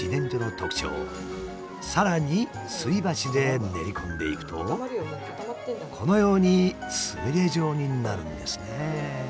さらにすり鉢で練り込んでいくとこのようにつみれ状になるんですね。